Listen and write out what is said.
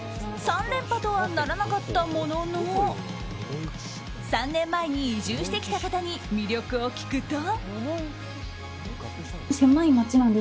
３連覇とはならなかったものの３年前に移住してきた方に魅力を聞くと。